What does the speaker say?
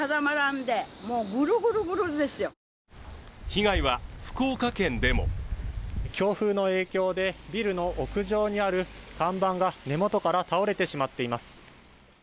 被害は福岡県でも強風の影響でビルの屋上にある看板が根元から倒れてしまっています。